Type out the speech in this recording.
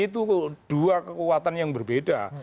itu dua kekuatan yang berbeda